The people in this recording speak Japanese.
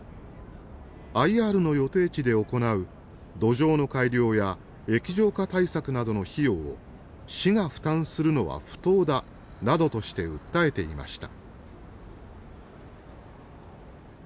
ＩＲの予定地で行う土壌の改良や液状化対策などの費用を市が負担するのは不当だなどとして訴えていました。